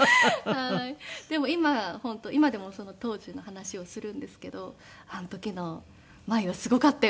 でも今本当今でもその当時の話をするんですけど「あの時の舞はすごかったよね」